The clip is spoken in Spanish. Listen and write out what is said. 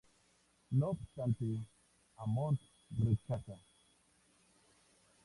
No obstante Hammond rechaza.